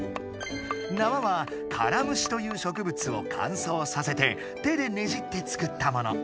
なわは「カラムシ」というしょくぶつをかんそうさせて手でねじって作ったもの。